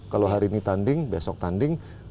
kalau hari ini tanding besok tanding